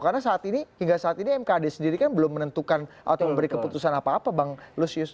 karena saat ini hingga saat ini mkd sendiri kan belum menentukan atau memberi keputusan apa apa bang lucius